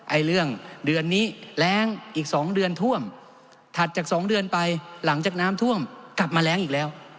ไอ้เรื่องเดือนนี้แรงอีก๒เดือนท่วมถัดจากสองเดือนไปหลังจากน้ำท่วมกลับมาแรงอีกแล้ว